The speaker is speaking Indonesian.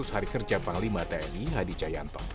seratus hari kerja panglima tni hadi cahyanto